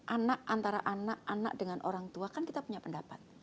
anak antara anak anak dengan orang tua kan kita punya pendapat